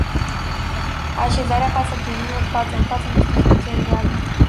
Așezarea pasagerilor față în față nu este o soluție ideală.